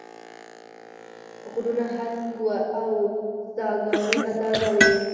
غرونه هسک و او ساګاني به تازه وې